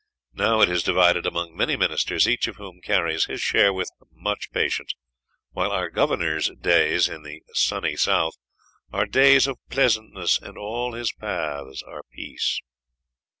Now it is divided among many Ministers, each of whom carries his share with much patience, while our Governor's days in the "Sunny South" are "days of pleasantness, and all his paths are peace."